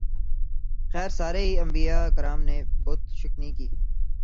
خیر سارے ہی انبیاء کرام نے بت شکنی کی ۔